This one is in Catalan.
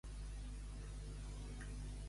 A son salvo.